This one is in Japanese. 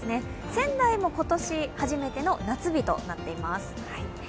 仙台も今年初めての夏日となっています。